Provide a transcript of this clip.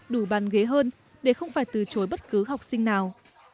đủ bàn ghế hơn để không phải từ chối bất cứ học sinh nào